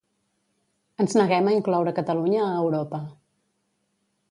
Ens neguem a incloure Catalunya a Europa.